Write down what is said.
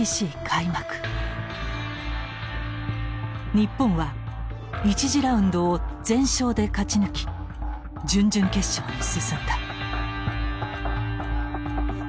日本は１次ラウンドを全勝で勝ち抜き準々決勝に進んだ。